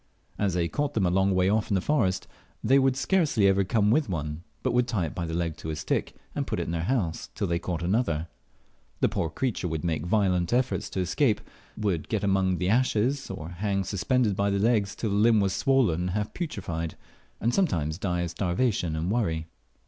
As they caught them a long way off in the forest, they would scarcely ever come with one, but would tie it by the leg to a stick, and put it in their house till they caught another. The poor creature would make violent efforts to escape, would get among the ashes, or hang suspended by the leg till the limb was swollen and half putrefied, and sometimes die of starvation and worry.